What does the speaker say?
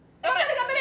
頑張れ！